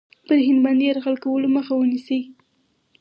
پر هند باندي یرغل کولو مخه ونیسي.